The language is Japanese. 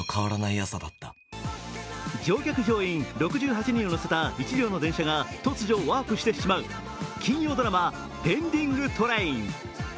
乗客・乗員６８人を乗せた列車が突如ワープしてしまう金曜ドラマ「ペンディングトレイン」。